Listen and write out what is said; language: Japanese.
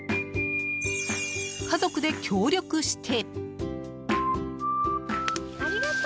家族で協力して。